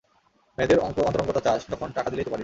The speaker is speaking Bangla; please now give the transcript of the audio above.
মেয়েদের অন্তরঙ্গতা চাস যখন টাকা দিলেই তো পারিস?